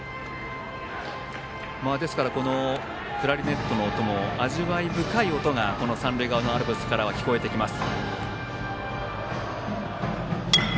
このクラリネットの音も味わい深い音が三塁側アルプスから聞こえてきます。